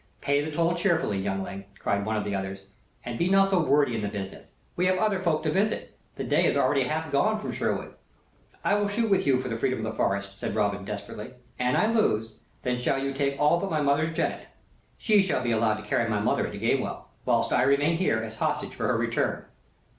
"Pay the toll cheerfully, youngling," cried one of the others, "and be not so wordy in the business. We have other folk to visit; the day is already half gone from Sherwood." "I will shoot with you for the freedom of the forest," said Robin, desperately. "An I lose, then shall you take all but my mother's jennet. She shall be allowed to carry my mother into Gamewell, whilst I remain here, as hostage, for her return."